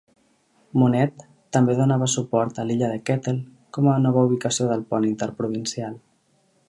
Monette també dona suport a l'illa de Kettle com a nova ubicació del pont interprovincial.